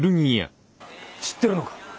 知ってるのか？